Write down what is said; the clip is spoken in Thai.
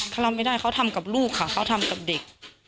เขารับไม่ได้เขาทำกับลูกค่ะเขาทำกับเด็ก